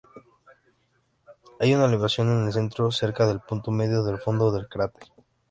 Hay una elevación en el centro, cerca del punto medio del fondo del cráter.